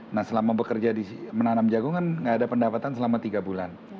nah selama bekerja di menanam jagung kan nggak ada pendapatan selama tiga bulan